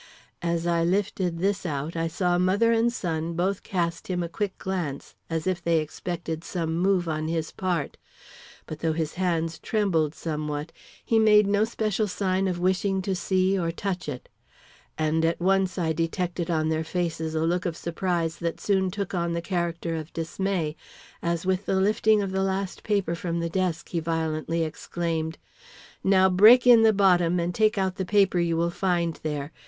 As I lifted this out, I saw mother and son both cast him a quick glance, as if they expected some move on his part. But though his hands trembled somewhat, he made no special sign of wishing to see or touch it, and at once I detected on their faces a look of surprise that soon took on the character of dismay, as with the lifting of the last paper from the desk he violently exclaimed: "Now break in the bottom and take out the paper you will find there.